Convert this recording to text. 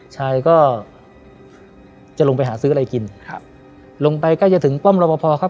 ชายก็จะลงไปหาซื้ออะไรกินครับลงไปใกล้จะถึงป้อมรอปภครับ